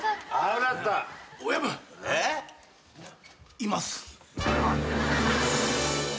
います。